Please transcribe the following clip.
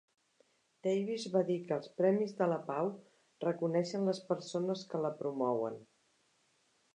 Davis va dir que els premis de la pau reconeixen les persones que la promouen.